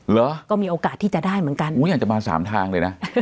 เหรอก็มีโอกาสที่จะได้เหมือนกันอุ้ยอยากจะมาสามทางเลยนะ